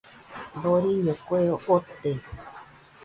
Doriño kue ote.